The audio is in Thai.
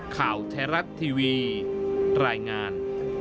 ข่าวไทยรัฐทีวีรายงาน